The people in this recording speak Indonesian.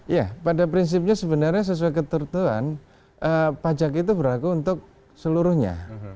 ya pada prinsipnya sebenarnya sesuai ketertuan pajak itu berlaku untuk seluruhnya